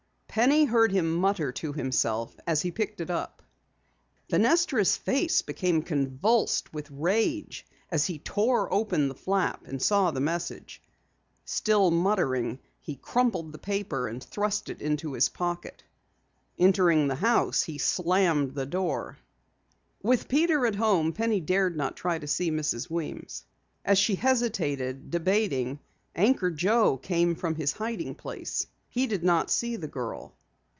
Penny heard him mutter to himself as he picked it up. Fenestra's face became convulsed with rage as he tore open the flap and saw the message. Still muttering, he crumpled the paper and thrust it into his pocket. Entering the house, he slammed the door. With Peter at home Penny dared not try to see Mrs. Weems. As she hesitated, debating, Anchor Joe came from his hiding place. He did not see the girl.